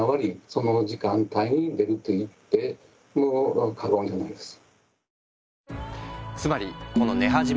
その時間帯に出ると言っても過言じゃないです。